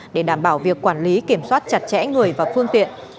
để đảm bảo việc quản lý kiểm soát chặt chẽ người và phương tiện